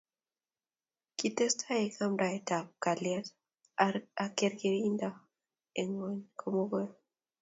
kitestai eng' boisietab amdaetab kalyet ak kerkeindo eng' ng'ony ko mugul